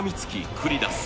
繰り出す